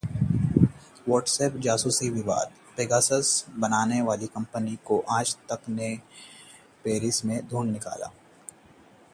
WhatsApp जासूसी विवाद: Pegasus बनाने वाली कंपनी को आजतक ने पेरिस में ढूंढ निकाला